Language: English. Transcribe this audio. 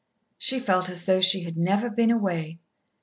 She felt as though she had never been away.